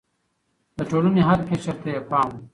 د ټولنې هر قشر ته يې پام و.